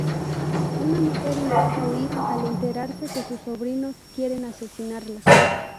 Una mujer intenta huir al enterarse que sus sobrinos quieren asesinarla.